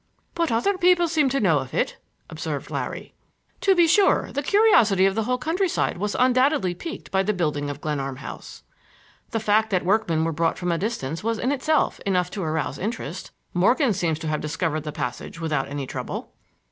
"But other people seem to know of it," observed Larry. "To be sure; the curiosity of the whole countryside was undoubtedly piqued by the building of Glenarm House. The fact that workmen were brought from a distance was in itself enough to arouse interest. Morgan seems to have discovered the passage without any trouble."